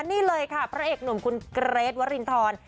นี่เลยค่ะพระเอกหนุ่มคุณเกรทวรินทร